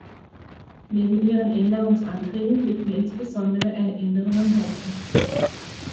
Neben ihren Änderungsanträgen liegt mir insbesondere eine Änderung am Herzen.